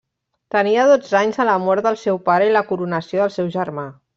Tenia dotze anys a la mort del seu pare i la coronació del seu germà.